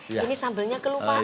ini sambelnya kelupaan